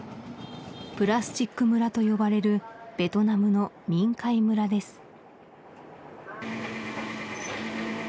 プラスチック村と呼ばれるベトナムのミンカイ村です